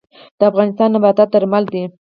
د افغانستان نباتات درمل دي